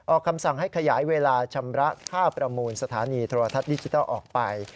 คำสั่งให้ขยายเวลาชำระค่าประมูลสถานีโทรทัศน์ดิจิทัลออกไป